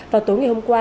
và tối ngày hôm qua